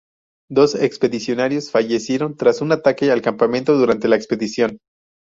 Dos expedicionarios fallecieron tras un ataque al campamento durante la expedición.